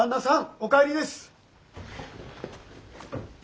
お帰りです。